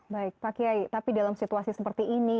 baik pak kiai tapi dalam situasi seperti ini